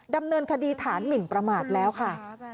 ดำเนินคดีฐานหมินประมาทแล้วค่ะ